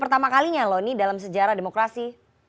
pertama kalinya loh ini dalam sejarah demokrasi